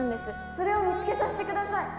・それを見つけさせて下さい。